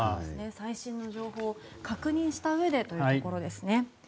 最新情報を確認したうえでというところですね。